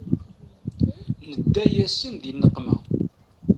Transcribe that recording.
Nedda-yasen di nneqma.